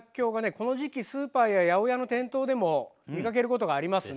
この時期スーパーや八百屋の店頭でも見かけることがありますね。